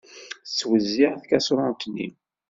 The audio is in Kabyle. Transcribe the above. Tettwezziε tqaṣrunt-nni.